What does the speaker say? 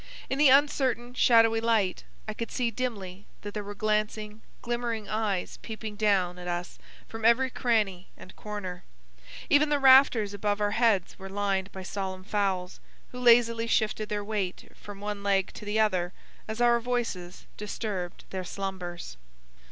In the uncertain, shadowy light I could see dimly that there were glancing, glimmering eyes peeping down at us from every cranny and corner. Even the rafters above our heads were lined by solemn fowls, who lazily shifted their weight from one leg to the other as our voices disturbed their slumbers.